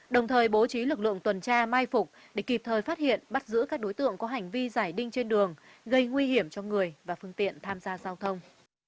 kiểm tra mai phục để kịp thời phát hiện bắt giữ các đối tượng có hành vi dài đinh trên đường gây nguy hiểm cho người và phương tiện tham gia giao thông